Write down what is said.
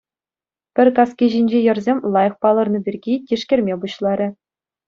Пӗр каски ҫинчи йӗрсем лайӑх палӑрнӑ пирки тишкерме пуҫларӗ.